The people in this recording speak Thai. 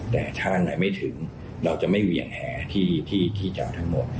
แต่ถ้าอันไหนไม่ถึงเราจะไม่เวียงแหที่จับทั้งหมด